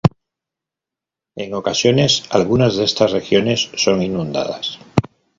En ocasiones, algunas de estas regiones son inundadas.